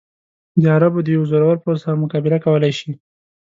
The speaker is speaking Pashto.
د عربو د یوه زورور پوځ سره مقابله کولای شي.